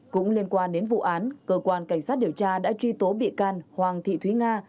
cũng liên quan đến vụ án cơ quan cảnh sát điều tra đã truy tố bị can hoàng thị thúy nga